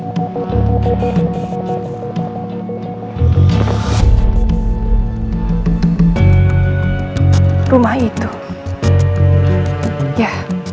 aku harus mencari buktinya